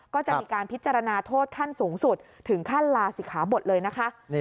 ก็จะมีการพิจารณาโทษขั้นสูงสุดถึงขั้นลาศิกขาบทเลยนะคะ